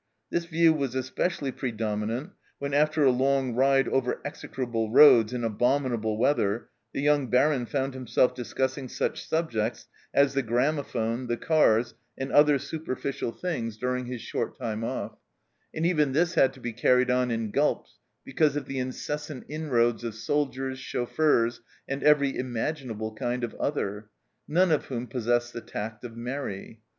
This view was especially predominant when, after a long ride over execrable roads in abominable weather, the young Baron found him self discussing such subjects as the gramophone, the cars, and other superficial things during his ENTER ROMANCE 253 short time off, and even this had to be carried on in gulps because of the incessant inroads of soldiers, chauffeurs, and every imaginable kind of " other," none of whom possessed the tact of Mairi.